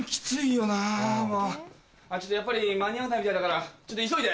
ちょっとやっぱり間に合わないみたいだからちょっと急いで！